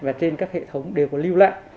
và trên các hệ thống đều có lưu lại